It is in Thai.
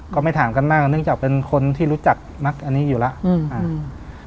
ก็ไม่ถามกันมากเนื่องจากเป็นคนที่รู้จักมักอันนี้อยู่แล้วอืมอ่า